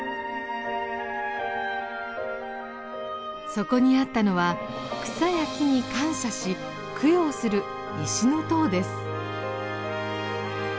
そこにあったのは草や木に感謝し供養する石の塔です。